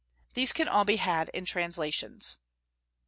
These can all be had in translations.